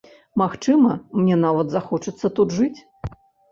Магчыма, мне нават захочацца тут жыць.